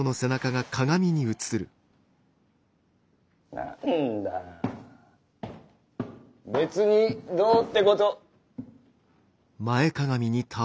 何だ別にどうって事。